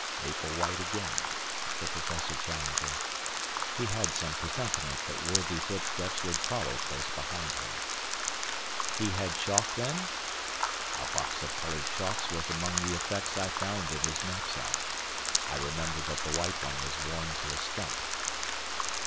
"Maple White again," said Professor Challenger. "He had some presentiment that worthy footsteps would follow close behind him." "He had chalk, then?" "A box of colored chalks was among the effects I found in his knapsack. I remember that the white one was worn to a stump."